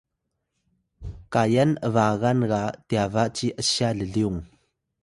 kayan ’bagan ga tyaba ci ’sya llyung